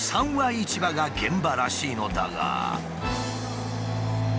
市場が現場らしいのだが。